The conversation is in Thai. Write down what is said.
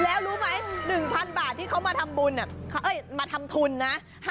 แล้วรู้ไหม๑๐๐บาทที่เขามาทำบุญมาทำทุนนะ